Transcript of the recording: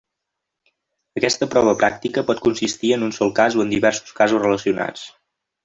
Aquesta prova pràctica pot consistir en un sol cas o en diversos casos relacionats.